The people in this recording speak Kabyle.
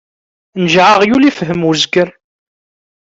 Nǧeɛ aɣyul, ifhem uzger.